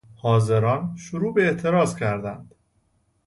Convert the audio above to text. حاضران شروع به اعتراض کردند.